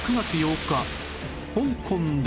香港では